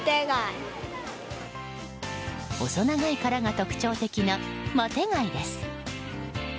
細長い殻が特徴的なマテ貝です。